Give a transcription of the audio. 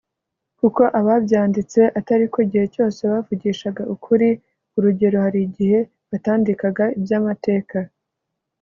kuko ababyanditse atari ko igihe cyose bavugishaga ukuri urugero hari igihe batandikaga iby’amateka